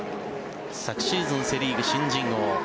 昨シーズン、セ・リーグ新人王。